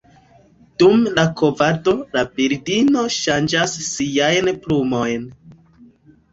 Dum la kovado la birdino ŝanĝas siajn plumojn.